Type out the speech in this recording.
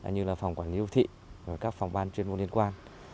như là phòng quản lý đô thị và các phòng ban chuyên môn liên quan